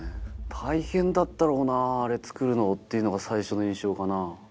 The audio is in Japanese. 大変だったろうなぁあれ作るのっていうのが最初の印象かな。